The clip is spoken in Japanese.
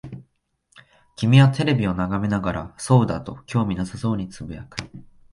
君はテレビを眺めながら、そうだ、と興味なさそうに呟く。